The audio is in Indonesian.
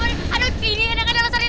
aduh pini ada kan alasannya